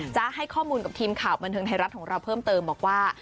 ให้ข้อมูลกับทีมข่าวบันเทิงไทยรัฐของเราเพิ่มเติมบอกว่า